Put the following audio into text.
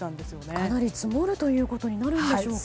かなり積もるということになるんでしょうか？